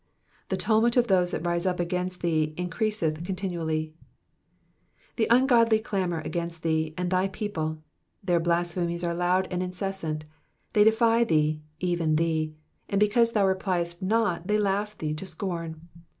''''The tumult of those that rise up against thee increaseth continually,'*'* The ungodly clamour against thee and thy people, their blasphemies are loud and incessant, they defy thee, even thee, and because thou repliest not they laugh thee to scorn.